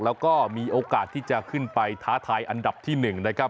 แล้วก็มีโอกาสที่จะขึ้นไปท้าทายอันดับที่๑นะครับ